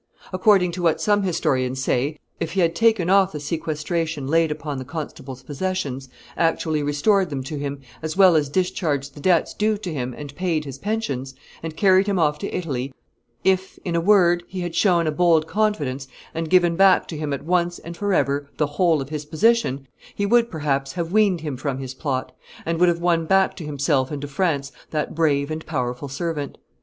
According to what some historians say, if he had taken off the sequestration laid upon the constable's possessions, actually restored them to him, as well as discharged the debts due to him and paid his pensions, and carried him off to Italy, if, in a word, he had shown a bold confidence and given back to him at once and forever the whole of his position, he would, perhaps, have weaned him from his plot, and would have won back to himself and to France that brave and powerful servant.